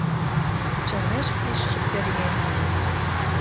Чонеш пижше пӧръеҥ.